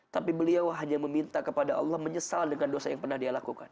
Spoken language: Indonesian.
tapi beliau hanya meminta kepada allah menyesal dengan dosa yang pernah dia lakukan